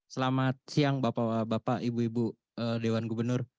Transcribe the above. selamat siang bapak bapak ibu ibu dewan gubernur